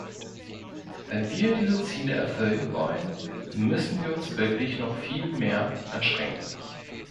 Wenn wir diese Ziele erfüllen wollen, müssen wir uns wirklich noch viel mehr anstrengen.